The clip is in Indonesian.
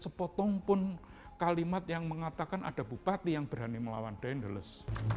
sepotong pun kalimat yang mengatakan ada bupati yang berani melawan dendels